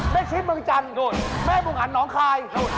แม่ชิปเมืองจันทร์แม่บุงอันน้องคลาย